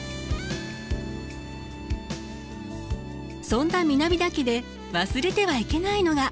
そんな南田家で忘れてはいけないのが。